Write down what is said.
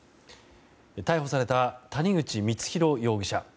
逮捕された谷口光弘容疑者。